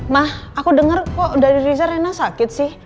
ma aku denger kok dari riza rena sakit sih